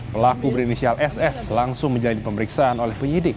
pelaku berinisial ss langsung menjalani pemeriksaan oleh penyidik